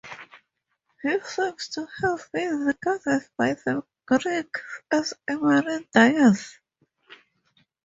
He seems to have been regarded by the Greeks as a marine deity.